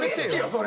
それ。